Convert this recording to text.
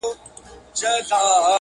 ناموسي دودونه اصل ستونزه ده ښکاره،